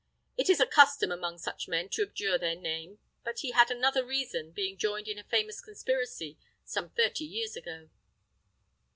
It is a custom among such men to abjure their name; but he had another reason, being joined in a famous conspiracy some thirty years ago."